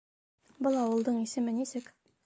Был ауылдың исеме нисек?